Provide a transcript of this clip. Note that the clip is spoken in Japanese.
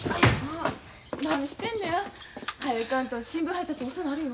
何してんのや？はよ